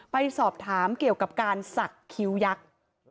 ไปสอบถามเกี่ยวกับการสักคิ้วยักษ์